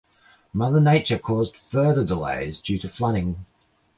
Mother Nature caused further delays due to flooding.